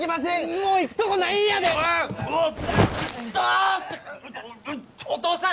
もう行くとこないんやで痛ッお父さん